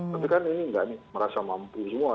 tapi kan ini nggak merasa mampu semua